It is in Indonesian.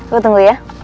gue tunggu ya